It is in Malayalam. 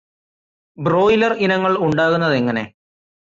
ബ്രോയ്ലർ ഇനങ്ങൾ ഉണ്ടാകുന്നതെങ്ങനെ?